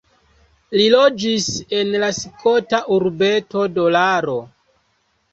Li loĝis en la skota urbeto Dolaro.